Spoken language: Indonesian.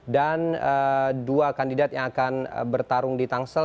dan dua kandidat yang akan bertarung di tangsel